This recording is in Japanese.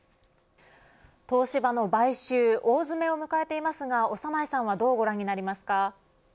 東芝の買収、大詰めを迎えていますが長内さんはどうご覧になりますか。